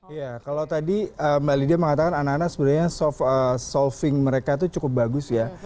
iya kalau tadi mbak lydia mengatakan anak anak sebenarnya solving mereka itu cukup bagus ya